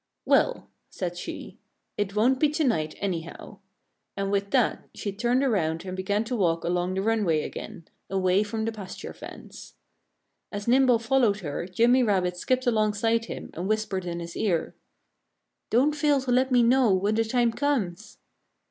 "Well," said she, "it won't be to night, anyhow." And with that she turned around and began to walk along the runway again, away from the pasture fence. As Nimble followed her Jimmy Rabbit skipped alongside him and whispered in his ear. "Don't fail to let me know when the time comes!"